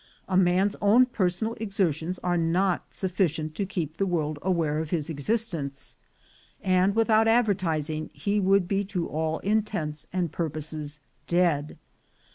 A man's own personal exertions are not sufficient to keep the world aware of his existence, and without advertising he would be to all intents and purposes dead.